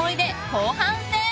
後半戦！